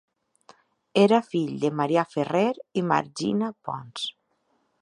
Era fill de Marià Ferrer i Magina Pons.